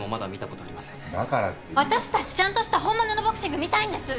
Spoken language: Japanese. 私たちちゃんとした本物のボクシング見たいんです！